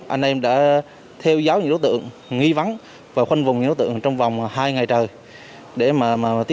anh em đã theo dõi những đối tượng nghi vắng và khoanh vùng những đối tượng trong vòng hai ngày trời để tiếp